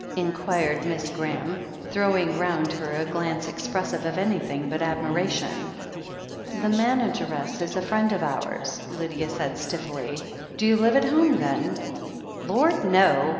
inquired Miss Graham, throwing round her a glance expressive of an3rthing but admiration. "The manageress is a friend of ours," Lydia said stiffly. "Do you live at home, then?" "Lord, no.